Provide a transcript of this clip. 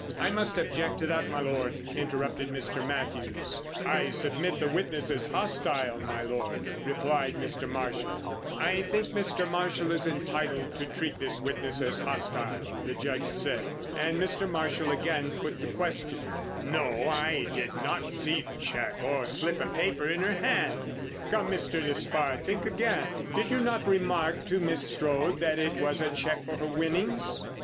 "I must object to that, m' Lord," interrupted Mr. Mathews. "I submit the witness is hostile, m' Lord," replied Mr. Marshall. "I think Mr. Marshall is entitled to treat this witness as hostile," the Judge said. And Mr. Marshall again put the question. "No, I did not see a cheque or slip of paper in her hand." "Come, Mr. Despard, think again: did you not remark to Miss Strode that it was a cheque for her winnings?"